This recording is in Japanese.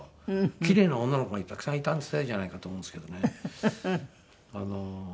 奇麗な女の子がたくさんいたせいじゃないかと思うんですけどね。